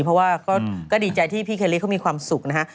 เพราะว่าก็ดีใจที่พี่เคลลี่เขามีความสุขนะฮะ